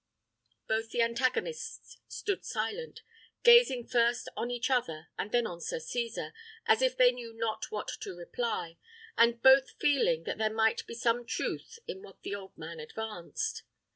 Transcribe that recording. Both the antagonists stood silent, gazing first on each other, and then on Sir Cesar, as if they knew not what to reply, and both feeling that there might be some truth in what the old man advanced.